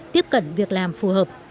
tiếp cận việc làm phù hợp